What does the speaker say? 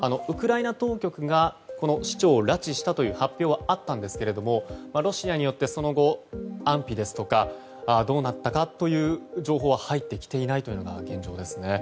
ウクライナ当局市長を拉致したという発表はあったんですけれどもロシアによってその後安否ですとかどうなったかという情報は入ってきていないのが現状です。